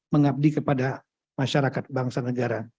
mengabdi kepada masyarakat bangsa negara